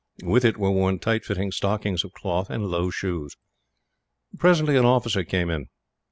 With it were worn tight fitting stockings of cloth, and low shoes. Presently an officer came in.